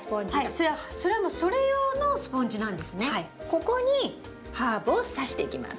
ここにハーブをさしていきます。